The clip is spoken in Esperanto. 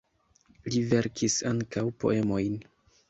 Li verkis ankaŭ poemojn.